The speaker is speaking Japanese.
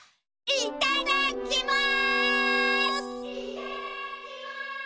いただきます！